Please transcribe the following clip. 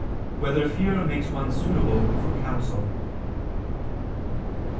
2] Whether Fear Makes One Suitable for Counsel?